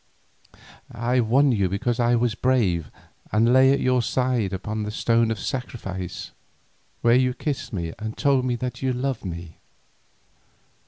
I won you because I was brave and lay at your side upon the stone of sacrifice, where you kissed me and told me that you loved me.